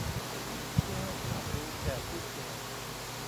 เพื่อให้ความรู้แก่ผู้ป่วย